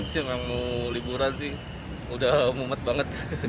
siang yang mau liburan sih udah mumet banget